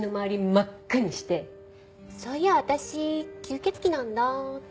真っ赤にして「そういや私吸血鬼なんだ」って。